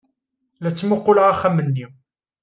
La ttmuqquleɣ axxam-nni.